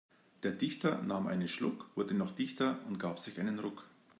Der Dichter nahm einen Schluck, wurde noch dichter und gab sich einen Ruck.